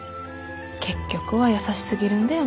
結局は優しすぎるんだよね